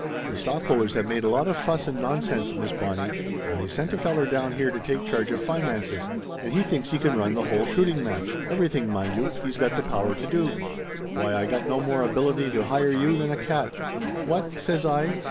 The stockholders have made a lot of fuss and nonsense, Miss Bonnie, and they sent a feller down here to take charge of finances, and he thinks he can run the whole shooting match! Everything, mind you, he's got the power to do ! Why, I got no more ability to hire you than a cat!" "What?" says I.